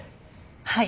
はい。